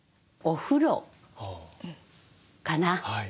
お風呂かな。